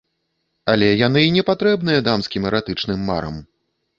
Але яны й непатрэбныя дамскім эратычным марам.